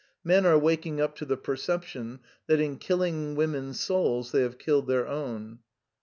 Men are waking up to the perception that in kill ing women's souls they have killed their own.